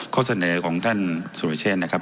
ข้อเสนอของท่านสุรเชษนะครับ